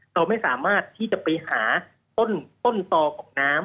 เราไม่สามารถที่จะไปหาต้นต่อของน้ำ